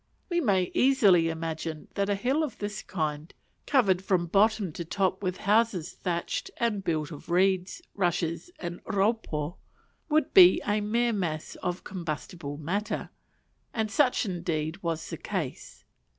We may easily imagine that a hill of this kind, covered from bottom to top with houses thatched and built of reeds, rushes, and raupo, would be a mere mass of combustible matter; and such indeed was the case.